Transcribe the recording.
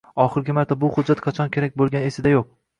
Oxirgi marta bu hujjat qachon kerak bo`lgani esida yo`q